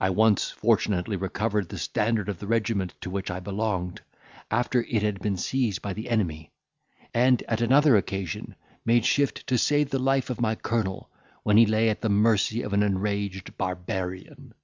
I once fortunately recovered the standard of the regiment to which I belonged, after it had been seized by the enemy; and, at another occasion, made shift to save the life of my colonel, when he lay at the mercy of an enraged barbarian.